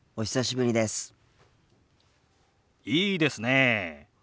いいですねえ。